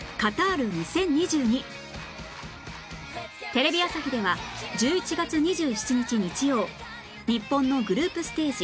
テレビ朝日では１１月２７日日曜日本のグループステージ